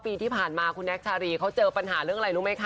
ปีที่ผ่านมาคุณแน็กชารีเขาเจอปัญหาเรื่องอะไรรู้ไหมคะ